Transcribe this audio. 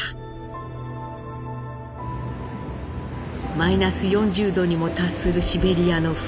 マイナス４０度にも達するシベリアの冬。